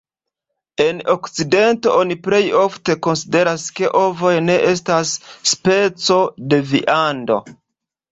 En okcidento oni plej ofte konsideras ke ovoj ne estas speco de viando.